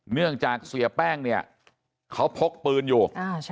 เนื่องจากเสียแป้งเนี่ยเขาพกปืนอยู่